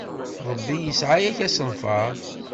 Rebbi yesɛa-ak asenfaṛ.